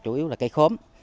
chủ yếu là cây khóm